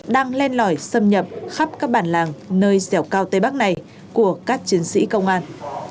đang len lỏi xâm nhập khắp các bản làng nơi dẻo cao tây bắc này của các chiến sĩ công an